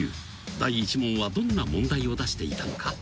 ［第１問はどんな問題を出していたのか？